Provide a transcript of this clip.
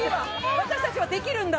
私たちはできるんだ！